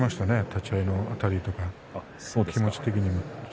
立ち合いのあたりとか気持ち的にも。